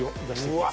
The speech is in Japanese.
うわ！